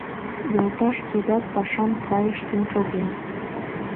Йолташ судат пашам сай ыштен шоген.